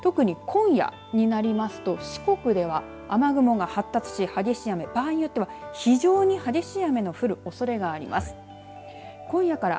特に今夜になりますと四国では、雨雲が発達し激しい雨、場合によっては非常に激しい雨の降るおそれがあります。